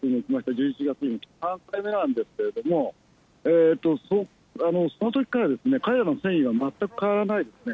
１１月に３回目なんですけども、そのときから彼らの戦意は全く変わらないですね。